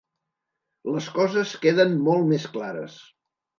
Les coses queden molt més clares.